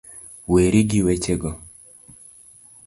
Weri gi wechego